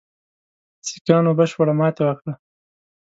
سیکهانو بشپړه ماته وکړه.